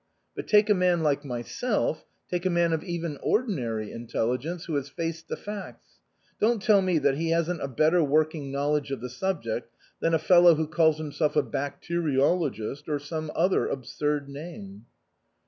But take a man like myself, take a man of even ordinary intelligence, who has faced the facts, don't tell me that he hasn't a better working knowledge of the subject than a fellow who calls himself a bacteriologist, or some other absurd name."